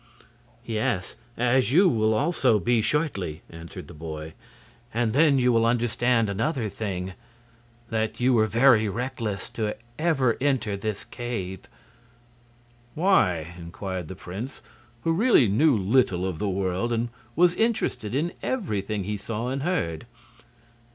"Yes; as you will also be shortly," answered the boy. "And then you will understand another thing that you were very reckless ever to enter this cave." "Why?" inquired the prince, who really knew little of the world, and was interested in everything he saw and heard.